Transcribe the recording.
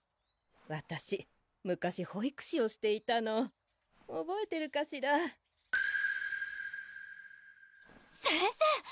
わたし昔保育士をしていたのおぼえてるかしら先生！